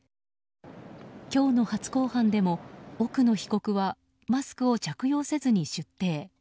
今日の初公判でも、奥野被告はマスクを着用せずに出廷。